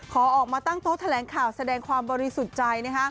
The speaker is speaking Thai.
ขอออกมาตั้งโต๊ะแถลงข่าวแสดงความบริสุทธิ์ใจ